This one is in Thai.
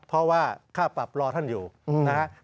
เพราะว่าค่าปรับรอท่านอยู่นะครับ